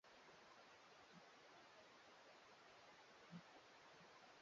ya Kimataifa Kuhusu Haki za Kibiashara Kijamii na Kitamaduni